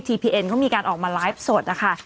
พีเอ็นเขามีการออกมาไลฟ์สดนะคะ